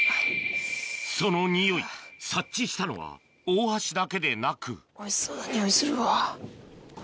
そのにおい察知したのは大橋だけでなくおいしそうなにおいするわ。